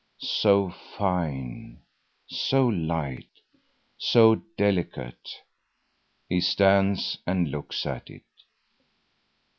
So fine, so light, so delicate! He stands and looks at it.